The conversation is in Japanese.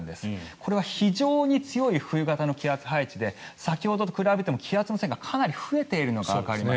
これは非常に強い冬型の気圧配置で先ほどと比べても気圧の線がかなり増えているのがわかります。